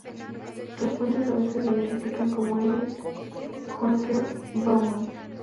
Las fuentes a veces la identifican como Edith Honecker-Baumann.